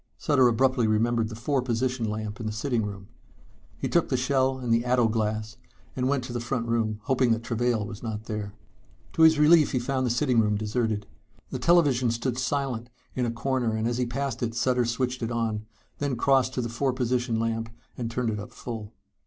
Sutter abruptly remembered the four position lamp in the sitting room. He took the shell and the ato glass and went to the front room, hoping that Travail was not there. To his relief he found the sitting room deserted. The television set stood silent in a corner and as he passed it Sutter switched it on, then crossed to the four position lamp and turned it up full.